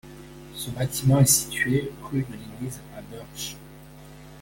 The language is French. Ce bâtiment est situé rue de l'Église à Bœrsch.